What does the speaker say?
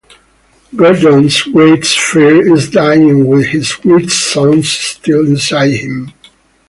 Gordon's greatest fear is dying with his greatest songs still inside him.